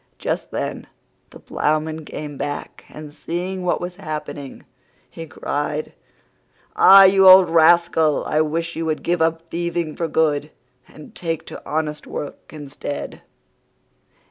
Just then the Ploughman came back, and seeing what was happening, he cried, "Ah, you old rascal, I wish you would give up thieving for good and take to honest work instead."